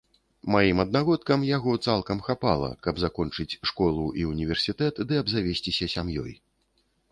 Маім аднагодкам яго цалкам хапала, каб закончыць школу і ўніверсітэт ды абзавесціся сям'ёй.